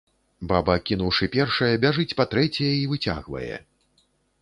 Баба, кінуўшы першае, бяжыць па трэцяе і выцягвае.